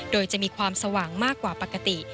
โดยจะมีความสว่างมากกว่าปกติ